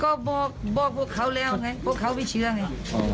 ก็บอกพวกเขาแล้วไงพวกเขาไม่เชื่อไง